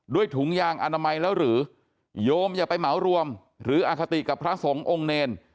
ถุงยางอนามัยแล้วหรือโยมอย่าไปเหมารวมหรืออคติกับพระสงฆ์องค์เนร